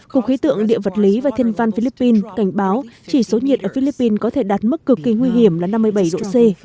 cục khí tượng địa vật lý và thiên văn philippines cảnh báo chỉ số nhiệt ở philippines có thể đạt mức cực kỳ nguy hiểm là năm mươi bảy độ c